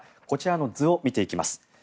こちらの図を見ていきます。